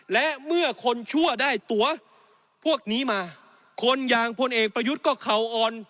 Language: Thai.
และเมื่อคนชั่วได้ตัวพวกนี้มาคนอย่างพลเอกประยุทธ์ก็เข่าอ่อน